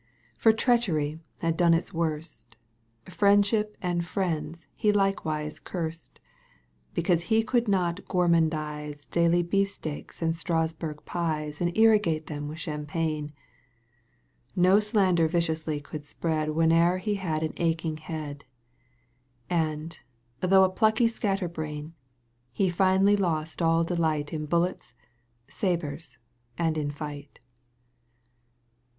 For treachery had done its worst ; Friendship and friends he likewise curst, Because he could not gourmandise Daily beefsteaks and Strasbourg pies And irrigate them with champagne ; Nor slander viciously could spread Whene'er he had an aching head ; And, though a plucky scatterbrain. He finally lost all delight In bullets, sabres, and in fight.